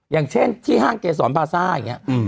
อย่างเช่นที่ห้างเกษรพาซ่าอย่างนี้